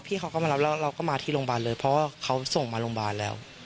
เขาก็มารับแล้วเราก็มาที่โรงพยาบาลเลยเพราะว่าเขาส่งมาโรงพยาบาลแล้ว